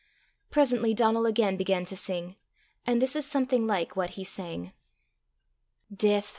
Presently Donal again began to sing, and this is something like what he sang: "Death!